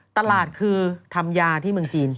ตลาดคือทำยาที่เมืองจีน